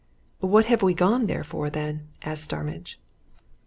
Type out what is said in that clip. "What have we gone there for then?" asked Starmidge.